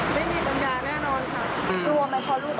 พูดเป็นแค่สองคน